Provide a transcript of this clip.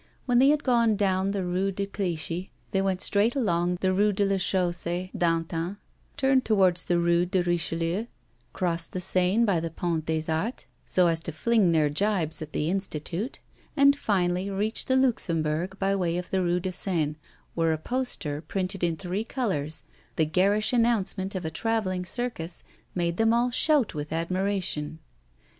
When they had gone down the Rue de Clichy, they went straight along the Rue de la Chaussée d'Antin, turned towards the Rue de Richelieu, crossed the Seine by the Pont des Arts, so as to fling their gibes at the Institute, and finally reached the Luxembourg by way of the Rue de Seine, where a poster, printed in three colours, the garish announcement of a travelling circus, made them all shout with admiration.